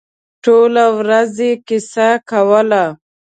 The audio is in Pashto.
ټوله ورځ یې کیسه کوله.